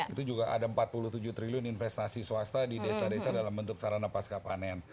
itu juga ada empat puluh tujuh triliun investasi swasta di desa desa dalam bentuk sarana pasca panen